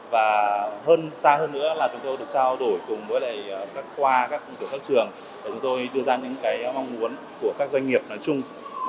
và hơn xa hơn nữa là chúng tôi được trao đổi cùng với các khoa các tổ các trường để chúng tôi đưa ra những mong muốn của các doanh nghiệp nói chung